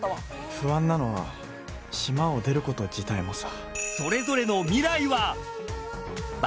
不安なのは島を出ること自体もさ。